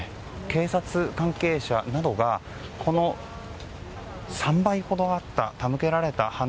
警察関係者などがこの３倍ほどあった手向けられた花